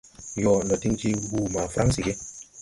Yoo, ndo diŋ je wuu ma Fransi ge !